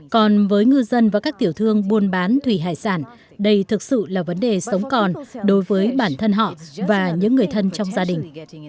còn với ngư dân và các tiểu thương buôn bán thủy hải sản đây thực sự là vấn đề sống còn đối với bản thân họ và những người thân trong gia đình